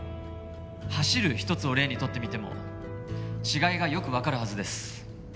「走る」一つを例に取ってみても違いがよく分かるはずです